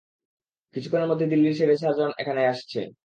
কিছুক্ষণের মধ্যেই দিল্লির সেরে সার্জন এখানে আসছে।